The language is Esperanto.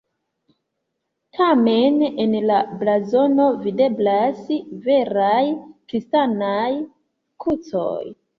Tamen en la blazono videblas veraj kristanaj krucoj.